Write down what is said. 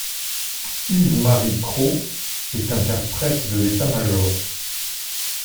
Yves Marie Croc est interprète de l'état-major.